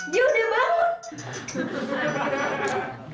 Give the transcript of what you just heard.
dia udah bangun